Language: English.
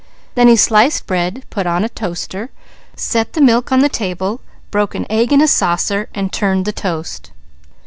Then he sliced bread, put on a toaster, set the milk on the table, broke an egg in a saucer, and turned the toast.